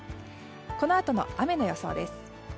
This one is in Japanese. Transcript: このあとの雨の予想です。